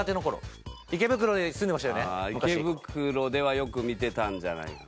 池袋ではよく見てたんじゃないか。